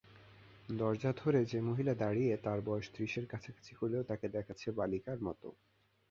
দরজা ধরে যে-মহিলা দাঁড়িয়ে তার বয়স ত্রিশের কাছাকাছি হলেও তাকে দেখাচ্ছে বালিকার মতো।